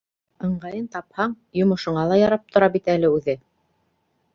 Ыңғайын тапһаң, йомошоңа ла ярап тора бит әле үҙе.